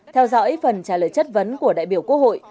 theo dõi phần trả lời chất vấn của đại biểu quốc hội